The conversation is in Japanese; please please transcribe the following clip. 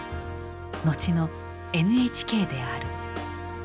のちのＮＨＫである。